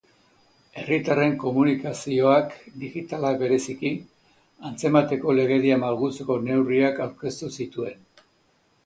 Herritarren komunikazioak, digitalak bereziki, atzemateko legedia malgutzeko neurriak aurkeztu zituen.